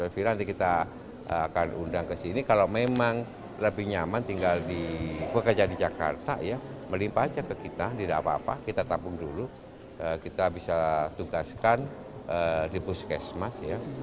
fira nanti kita akan undang ke sini kalau memang lebih nyaman tinggal di bekerja di jakarta ya melimpah aja ke kita tidak apa apa kita tabung dulu kita bisa tugaskan di puskesmas